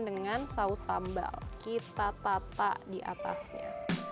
dengan saus sambal kita tata di atasnya